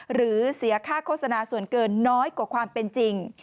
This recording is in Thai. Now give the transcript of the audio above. หรือเสียค่าโฆษณาส่วนเกินน้อยกว่าความเป็นจริง